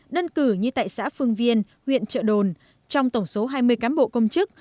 đơn cử như tại xã phương viên huyện trợ đồn trong tổng số hai mươi cán bộ công chức